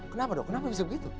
kenapa dok kenapa bisa begitu